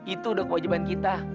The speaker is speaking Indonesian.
itu udah kewajiban kita